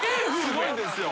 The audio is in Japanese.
すごいんですよ。